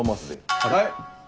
はい！